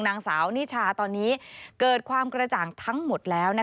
นางสาวนิชาตอนนี้เกิดความกระจ่างทั้งหมดแล้ว